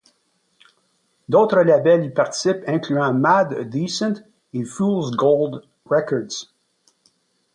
D'autres labels y participent incluant Mad Decent et Fool's Gold Records.